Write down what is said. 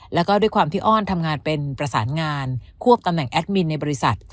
แล้วก็ด้วยความที่อ้อนทำงานเป็นประสานงานควบตำแหน่งแอดมินในบริษัท